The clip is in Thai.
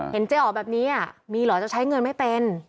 เจ๊อ๋อแบบนี้มีเหรอจะใช้เงินไม่เป็น